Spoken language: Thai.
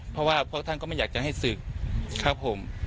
เพราะท่านก็ไม่อยากให้สืบครับผม